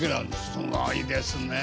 すごいですねえ。